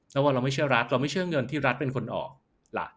แล้วว่าเราไม่เชื่อรัฐเราไม่เชื่อเงินที่รัฐเป็นคนออกล่ะ